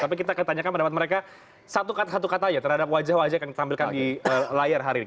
tapi kita akan tanyakan pendapat mereka satu kata aja terhadap wajah wajah yang ditampilkan di layar hari ini